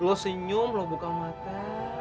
lo senyum lo buka mata